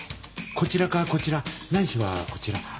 こちらかこちらないしはこちら。